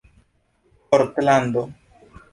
portlando